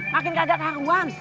makin kagak karuan